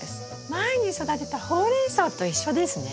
前に育てたホウレンソウと一緒ですね。